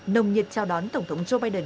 nồng nhiệt trao đón tổng thống joe biden